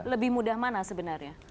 lebih mudah mana sebenarnya